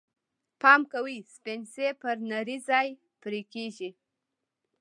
پام کوئ! سپڼسی پر نري ځای پرې کېږي.